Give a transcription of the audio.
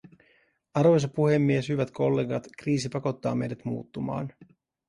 Arvoisa puhemies, hyvät kollegat, kriisi pakottaa meidät muuttumaan.